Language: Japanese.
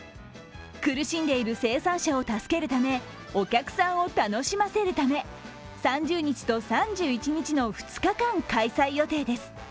苦しんでいる生産者を助けるため、お客さんを楽しませるため、３０日と３１日の２日間、開催予定です。